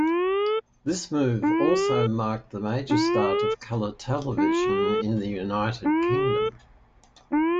This move also marked the major start of color television in the United Kingdom.